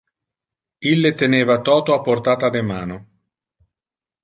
Ille teneva toto a portata de mano.